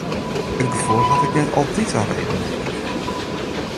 In gefoel hat ek net altyd in reden nedich.